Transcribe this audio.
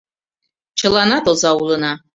Чыланат оза улына.